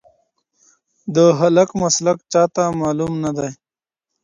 د هلک مسلک چا ته نامعلوم نه دی.